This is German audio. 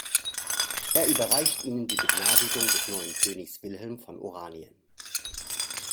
Er überreicht ihnen die Begnadigung des neuen Königs Wilhelm von Oranien.